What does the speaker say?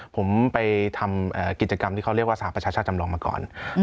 ผมไปทำกิจกรรมที่เขาเรียกสามารถช่วยว่าสหรับชาติชำรองมาก่อน